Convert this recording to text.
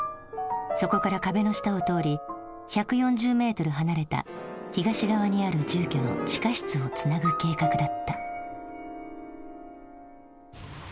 そこから壁の下を通り１４０メートル離れた東側にある住居の地下室をつなぐ計画だった。